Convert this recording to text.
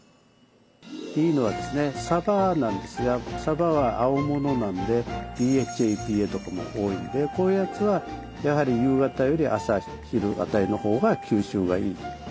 いいのはですねさばなんですがさばは青物なのでＤＨＡＥＰＡとかも多いんでこういうやつはやはり夕方より朝昼辺りのほうが吸収がいい。